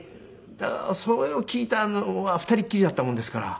だからそれを聞いたのは２人っきりだったもんですから。